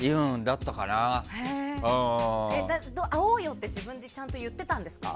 会おうよって、自分でちゃんと言ってたんですか？